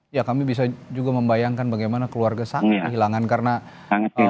ya kami bisa juga membayangkan bagaimana keluarga sangat hilangan karena putu itu kan